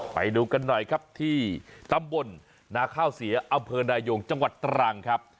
ไปดูกันหน่อยครับที่ตำบลนาข้าวเสียอำเภอนายงจังหวัดตรังครับ